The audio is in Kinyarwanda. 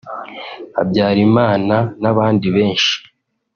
Habyarimana n’abandi benshi)